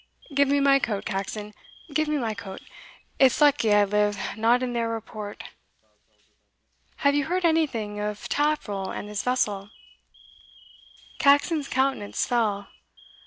Give me my coat, Caxon give me my coat; it's lucky I live not in their report. Have you heard anything of Taffril and his vessel?" Caxon's countenance fell.